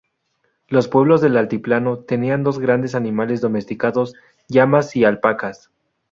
Los pueblos del Altiplano tenían dos grandes animales domesticados: llamas y alpacas.